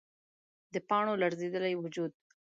د پاڼو لړزیدلی وجود